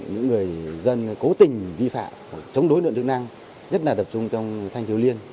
những người dân cố tình vi phạm chống đối lượng chức năng nhất là tập trung trong thanh thiếu liên